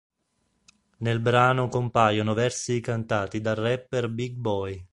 Nel brano compaiono versi cantati dal rapper Big Boi.